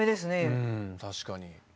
うん確かに。